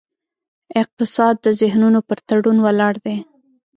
اقتصاد د ذهنونو پر تړون ولاړ دی.